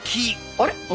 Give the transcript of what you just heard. あれ？